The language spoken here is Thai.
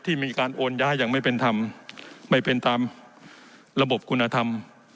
มีการโอนย้ายอย่างไม่เป็นธรรมไม่เป็นตามระบบคุณธรรม